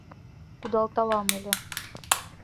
Кудалталам ыле -